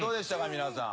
皆さん。